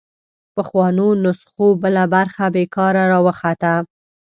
پخوانو نسخو بله برخه بېکاره راوخته